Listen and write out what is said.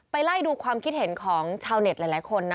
ไล่ดูความคิดเห็นของชาวเน็ตหลายคนนะ